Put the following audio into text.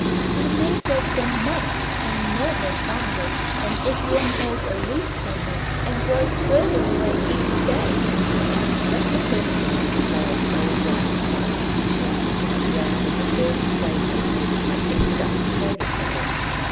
I may search for months, and never find it; and Etienne holds aloof from me, and grows further away each day.' Now just at her feet lay a small white stone, smooth and round as a Fairy's plaything. I picked it up and showed it to her.